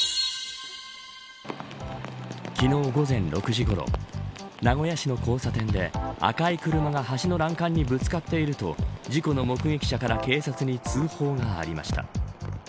昨日午前６時ごろ名古屋市の交差点で赤い車が橋の欄干にぶつかっていると事故の目撃者から警察に通報がありました。